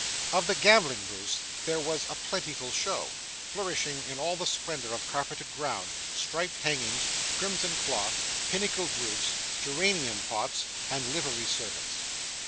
Of the gambling booths there was a plentiful show, flourishing in all the splendour of carpeted ground, striped hangings, crimson cloth, pinnacled roofs, geranium pots, and livery servants.